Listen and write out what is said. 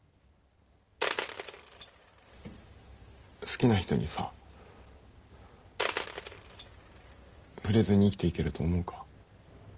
好きな人にさ触れずに生きていけると思うか？